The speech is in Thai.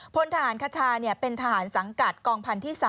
พลทหารคชาเป็นทหารสังกัดกองพันธุ์ที่๓